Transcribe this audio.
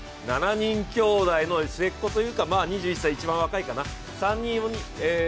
７人きょうだいの末っ子というか２１歳、一番若いかな。